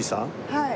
はい。